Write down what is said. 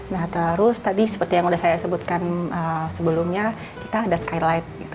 nah terus tadi seperti yang sudah saya sebutkan sebelumnya kita ada skylight gitu